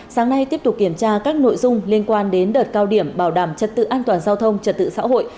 sáng nay tiếp tục kiểm tra các nội dung liên quan đến đợt cao điểm bảo đảm trật tự an toàn giao thông trật tự xã hội